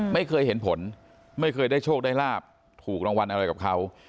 ไม่เคยเห็นผลไม่เคยได้โชคได้ลาบถูกรางวัลอะไรกับเขา